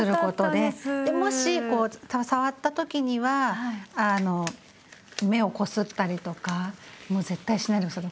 でもし触った時には目をこすったりとかもう絶対しないで下さい。